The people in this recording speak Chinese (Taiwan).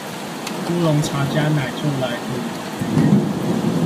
烏龍茶加奶就來得有尾韻